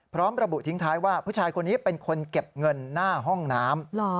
พร้อมระบุทิ้งท้ายว่าผู้ชายคนนี้เป็นคนเก็บเงินหน้าห้องน้ำ